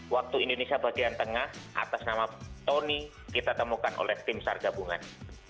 waktu indonesia bagian tengah atas nama tony kita temukan oleh tim sargabungan